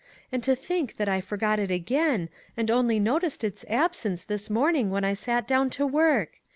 And to think that I forgot it again, and only noticed its absence this morning when I sat down to work